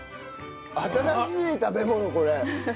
新しい食べ物これ。